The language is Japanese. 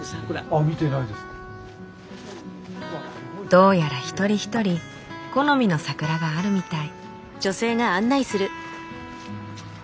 どうやら一人一人好みの桜があるみたい。